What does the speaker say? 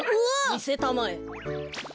みせたまえ。